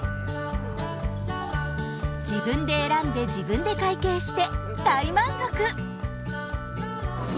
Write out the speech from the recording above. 自分で選んで自分で会計して大満足。